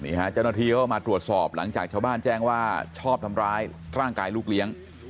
เจ้าหน้าที่ก็มาตรวจสอบหลังจากชาวบ้านแจ้งว่าชอบทำร้ายร่างกายลูกเลี้ยง